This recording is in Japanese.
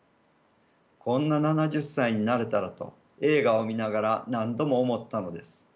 こんな７０歳になれたらと映画を見ながら何度も思ったのです。